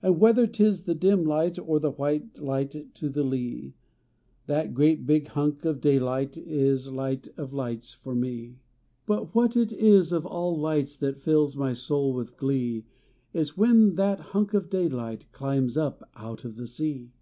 And whether tis the dim light Or the white light to the lee, That great big hunk of daylight Is light of lights for me. But what it is of all lights That fills mj r soul with glee, Is when that hunk of daylight Climbs up out of the sea.